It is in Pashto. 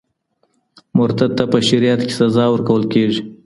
مرتد ته په شریعت کي سزا ورکول کېږي.